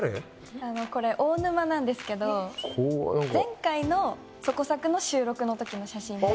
あのこれ大沼なんですけど前回の「そこさく」の収録のときの写真で。